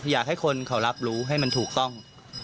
อยากให้คนเขารับรู้ให้มันถูกต้อง